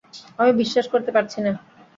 আমি বিশ্বাস করতে পারছি না?